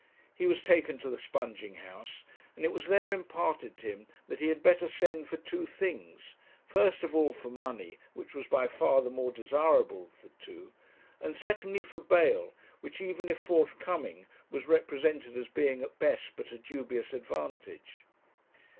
He was taken to the sponging house, and it was there imparted to him that he had better send for two things first of all for money, which was by far the more desirable of the two; and secondly, for bail, which even if forthcoming was represented as being at best but a dubious advantage.